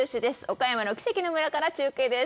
岡山の奇跡の村から中継です。